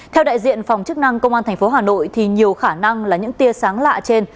theo đại diện phòng chức năng công an tp hà nội thì nhiều khả năng là những tia sáng lạ trên